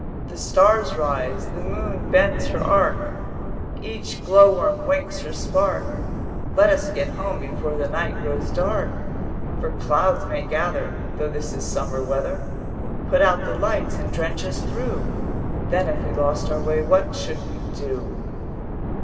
The stars rise, the moon bends her arc, Each glowworm winks her spark, Let us get home before the night grows dark: For clouds may gather Though this is summer weather, 250 Put out the lights and drench us through; Then if we lost our way what should we do?'